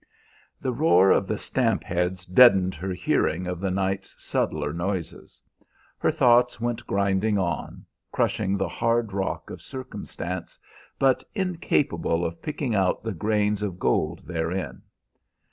The roar of the stamp heads deadened her hearing of the night's subtler noises. Her thoughts went grinding on, crushing the hard rock of circumstance, but incapable of picking out the grains of gold therein.